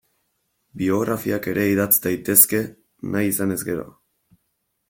Biografiak ere idatz daitezke nahi izanez gero.